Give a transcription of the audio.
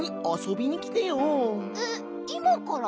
えっいまから？